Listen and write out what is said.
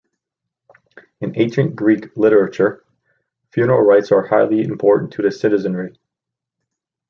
In ancient Greek literature, funeral rites are highly important to the citizenry.